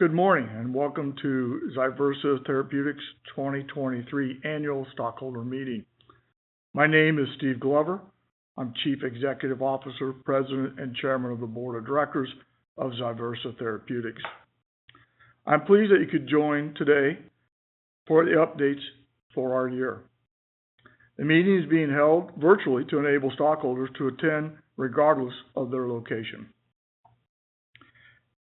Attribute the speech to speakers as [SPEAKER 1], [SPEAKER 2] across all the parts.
[SPEAKER 1] Good morning, and welcome to ZyVersa Therapeutics' 2023 Annual Stockholder Meeting. My name is Steve Glover. I'm Chief Executive Officer, President, and Chairman of the Board of Directors of ZyVersa Therapeutics. I'm pleased that you could join today for the updates for our year. The meeting is being held virtually to enable stockholders to attend regardless of their location.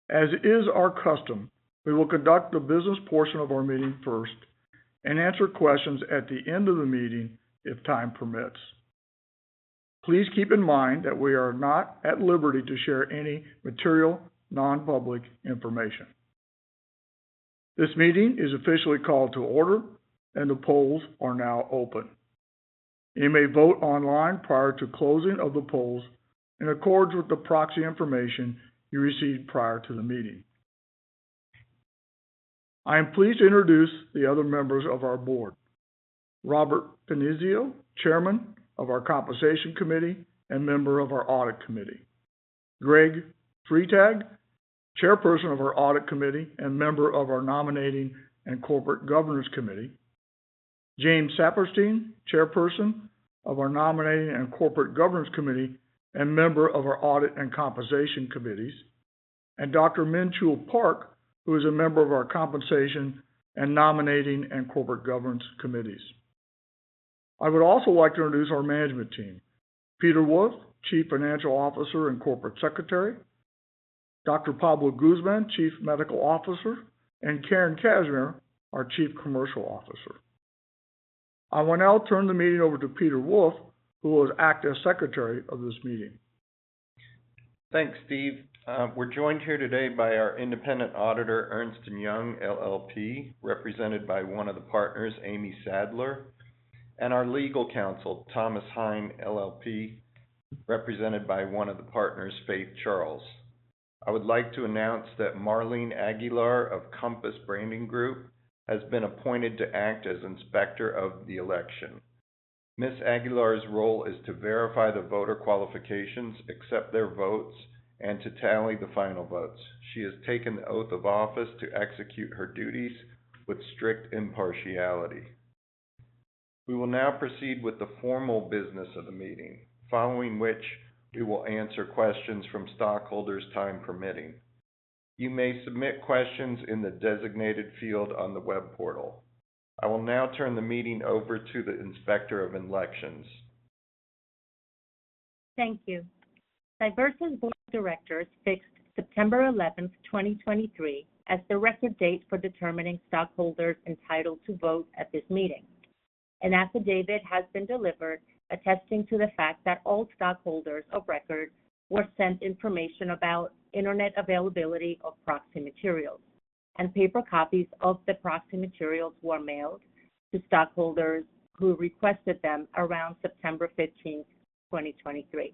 [SPEAKER 1] As is our custom, we will conduct the business portion of our meeting first and answer questions at the end of the meeting if time permits. Please keep in mind that we are not at liberty to share any material, non-public information. This meeting is officially called to order, and the polls are now open. You may vote online prior to closing of the polls in accordance with the proxy information you received prior to the meeting. I am pleased to introduce the other members of our board. Robert G. Finizio, Chairman of our Compensation Committee and member of our Audit Committee, Greg Freitag, Chairperson of our Audit Committee and member of our Nominating and Corporate Governance Committee, James Sapirstein, Chairperson of our Nominating and Corporate Governance Committee and member of our Audit and Compensation Committees, and Dr. Minchul Park, who is a member of our Compensation and Nominating and Corporate Governance Committees. I would also like to introduce our management team, Peter Wolf, Chief Financial Officer and Corporate Secretary, Dr. Pablo Guzman, Chief Medical Officer, and Karen Cashmere, our Chief Commercial Officer. I will now turn the meeting over to Peter Wolf, who will act as Secretary of this meeting.
[SPEAKER 2] Thanks, Steve. We're joined here today by our independent auditor, Ernst & Young LLP, represented by one of the partners, Amy Sadler, and our legal counsel, Thompson Hine LLP, represented by one of the partners, Faith Charles. I would like to announce that Marlene Aguilar of Compass Branding Group has been appointed to act as Inspector of Elections. Ms. Aguilar's role is to verify the voter qualifications, accept their votes, and to tally the final votes. She has taken the oath of office to execute her duties with strict impartiality. We will now proceed with the formal business of the meeting, following which we will answer questions from stockholders, time permitting. You may submit questions in the designated field on the web portal. I will now turn the meeting over to the Inspector of Elections.
[SPEAKER 3] Thank you. ZyVersa’s Board of Directors fixed September 11th, 2023, as the record date for determining stockholders entitled to vote at this meeting. An affidavit has been delivered, attesting to the fact that all stockholders of record were sent information about internet availability of proxy materials, and paper copies of the proxy materials were mailed to stockholders who requested them around September 15th, 2023.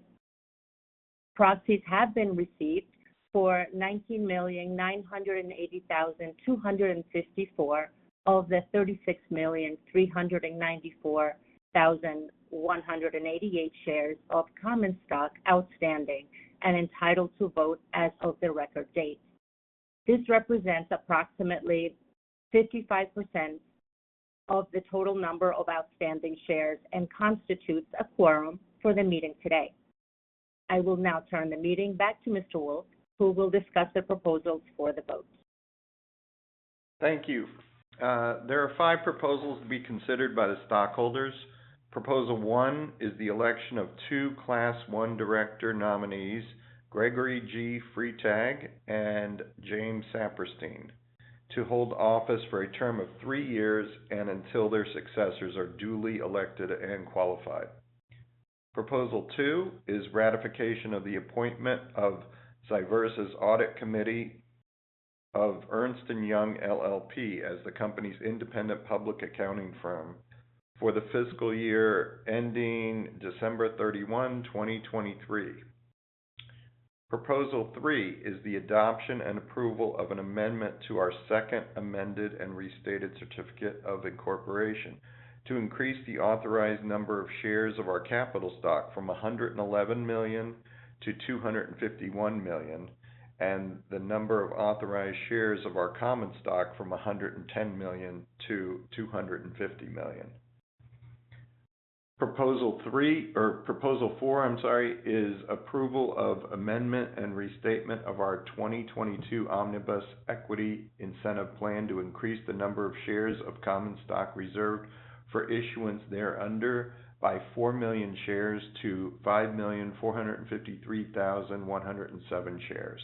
[SPEAKER 3] Proxies have been received for 19,980,254 of the 36,394,188 shares of common stock outstanding and entitled to vote as of the record date. This represents approximately 55% of the total number of outstanding shares and constitutes a quorum for the meeting today. I will now turn the meeting back to Mr. Wolf, who will discuss the proposals for the vote.
[SPEAKER 2] Thank you. There are five proposals to be considered by the stockholders. Proposal One is the election of two Class I director nominees, Gregory G. Freitag and James Sapirstein, to hold office for a term of three years and until their successors are duly elected and qualified. Proposal Two is ratification of the appointment of ZyVersa’s Audit Committee of Ernst & Young LLP as the company’s independent public accounting firm for the fiscal year ending December 31, 2023. Proposal Three is the adoption and approval of an amendment to our Second Amended and Restated Certificate of Incorporation to increase the authorized number of shares of our capital stock from 111 million to 251 million, and the number of authorized shares of our common stock from 110 million to 250 million. Proposal Three, or Proposal Four, I'm sorry, is approval of amendment and restatement of our 2022 Omnibus Equity Incentive Plan to increase the number of shares of common stock reserved for issuance thereunder by four million shares to 5,453,107 shares.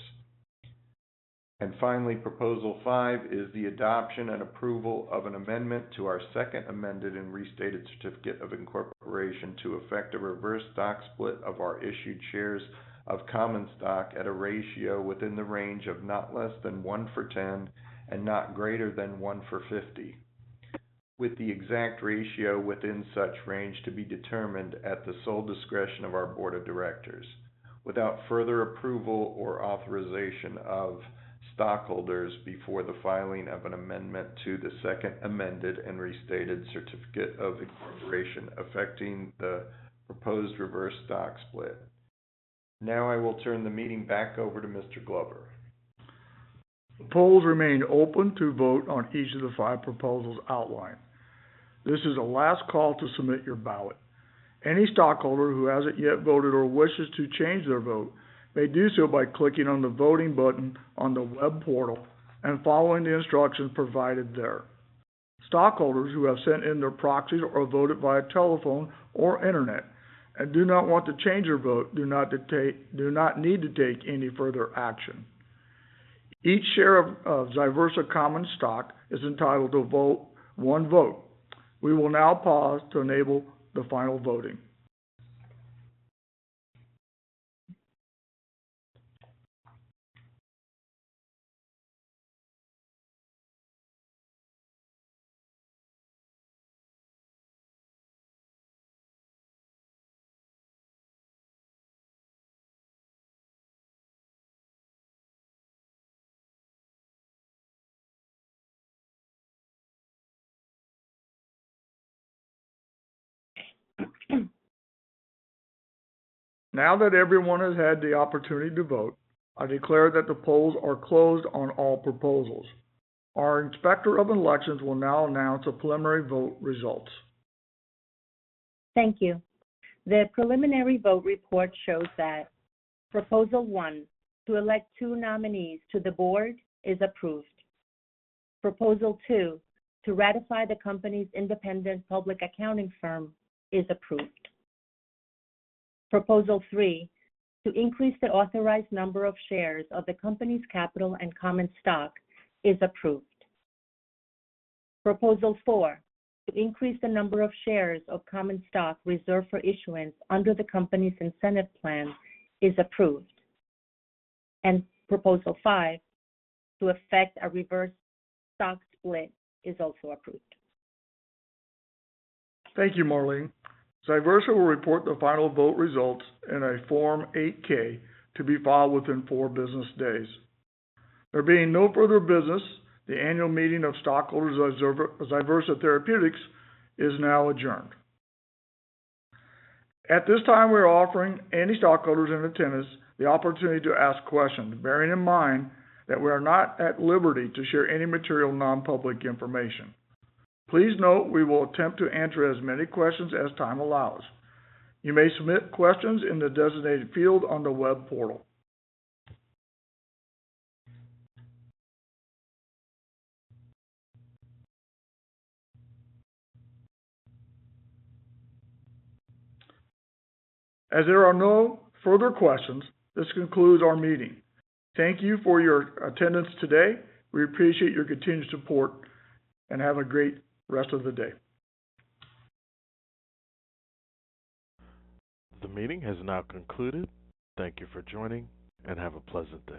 [SPEAKER 2] Finally, Proposal Five is the adoption and approval of an amendment to our Second Amended and Restated Certificate of Incorporation to effect a Reverse Stock Split of our issued shares of common stock at a ratio within the range of not less than 1-for-10 and not greater than 1-for-50, with the exact ratio within such range to be determined at the sole discretion of our board of directors, without further approval or authorization of stockholders before the filing of an amendment to the Second Amended and Restated Certificate of Incorporation, affecting the proposed Reverse Stock Split.
[SPEAKER 4] Now I will turn the meeting back over to Mr. Glover.
[SPEAKER 1] The polls remain open to vote on each of the five proposals outlined. This is the last call to submit your ballot. Any stockholder who hasn't yet voted or wishes to change their vote, may do so by clicking on the voting button on the web portal and following the instructions provided there. Stockholders who have sent in their proxies or voted via telephone or internet and do not want to change their vote, do not need to take any further action. Each share of ZyVersa common stock is entitled to one vote. We will now pause to enable the final voting. Now that everyone has had the opportunity to vote, I declare that the polls are closed on all proposals. Our Inspector of Elections will now announce the preliminary vote results.
[SPEAKER 3] Thank you. The preliminary vote report shows that Proposal One: to elect two nominees to the board, is approved. Proposal Two: to ratify the company's independent public accounting firm, is approved. Proposal Three: to increase the authorized number of shares of the company's capital and common stock, is approved. Proposal Four: to increase the number of shares of common stock reserved for issuance under the company's incentive plan, is approved. Proposal Five: to effect a reverse stock split, is also approved.
[SPEAKER 1] Thank you, Marlene. ZyVersa will report the final vote results in a Form 8-K to be filed within four business days. There being no further business, the annual meeting of stockholders of ZyVersa Therapeutics is now adjourned. At this time, we are offering any stockholders in attendance the opportunity to ask questions, bearing in mind that we are not at liberty to share any material, non-public information. Please note, we will attempt to answer as many questions as time allows. You may submit questions in the designated field on the web portal. As there are no further questions, this concludes our meeting. Thank you for your attendance today. We appreciate your continued support, and have a great rest of the day.
[SPEAKER 4] The meeting has now concluded. Thank you for joining, and have a pleasant day.